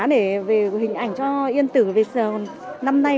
để hình ảnh cho yên tử về năm nay